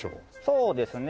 そうですね。